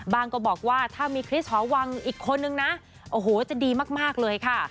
ก็บอกว่าถ้ามีคริสหอวังอีกคนนึงนะโอ้โหจะดีมากเลยค่ะ